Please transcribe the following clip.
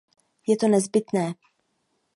Je to nezbytné.